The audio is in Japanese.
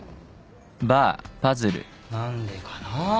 何でかな？